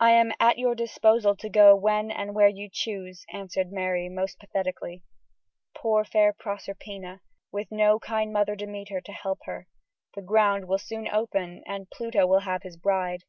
I am at your disposal to go when and where you choose," answered Mary, most pathetically. Poor, fair Proserpina, with no kind mother Demeter to help her. The ground will soon open, and Pluto will have his bride.